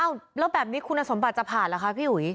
อ้าวแล้วแบบนี้คุณสมบัติจะผ่านล่ะคะพี่หุย